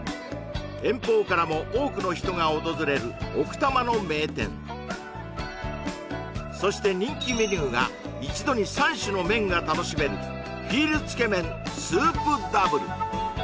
遠方からも多くの人が訪れる奥多摩の名店そして人気メニューが一度に３種の麺が楽しめるＦｅｅＬつけ麺スープダブル